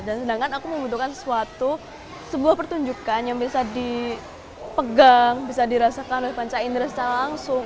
dan sedangkan aku membutuhkan sesuatu sebuah pertunjukan yang bisa dipegang bisa dirasakan oleh panca indera secara langsung